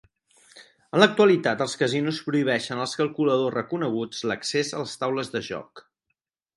En l'actualitat els casinos prohibeixen als calculadors reconeguts l'accés a les taules de joc.